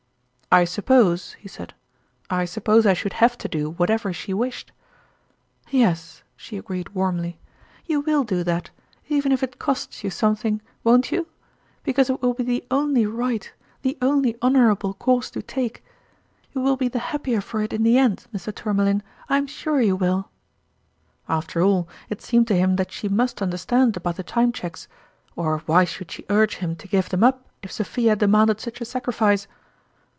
" I suppose," he said " I suppose I should have to do whatever she wished." " Yes !" she agreed warmly, " you will do 90 that, even if it costs you something, won't you? Because it will be the only right, the only honorable course to take you will be the happier for it in the end, Mr. Tourmalin, I am sure you will !" After all, it seemed to him that she must understand about the Time Cheques or, why should she urge him to give them up if Sophia demanded such a sacrifice